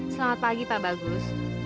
selamat pagi pak bagus